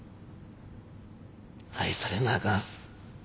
愛されなあかん。